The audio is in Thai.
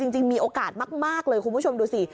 จริงมีโอกาสมากเลยคุณผู้ชมดูสิ